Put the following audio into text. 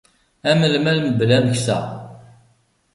Am lmal mebla ameksa.